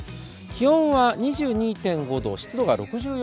気温は２２．５度、湿度が６４％。